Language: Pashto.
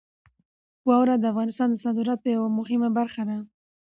واوره د افغانستان د صادراتو یوه مهمه برخه ده.